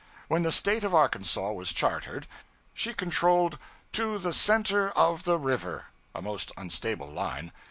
When the State of Arkansas was chartered, she controlled 'to the center of the river' a most unstable line.